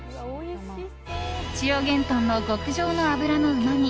千代幻豚の極上の脂のうまみ